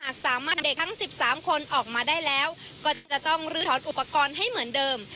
หากสามมาเด็กทั้งสิบสามคนออกมาได้แล้วก็จะต้องลืดถอดอุปกรณ์ให้เหมือนเดิม